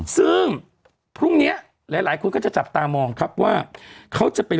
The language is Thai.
ซึ่งพรุ่งนี้หลายคนก็จะจับตามองครับว่าเขาจะเป็น